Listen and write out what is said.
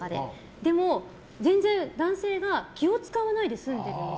でも全然、男性が気を使わないで済んでるんです。